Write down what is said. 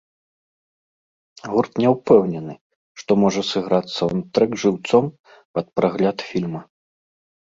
Гурт не ўпэўнены, што можа сыграць саўндтрэк жыўцом пад прагляд фільма.